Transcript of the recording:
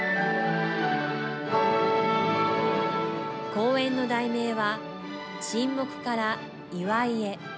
公演の題名は「沈黙から祝いへ」。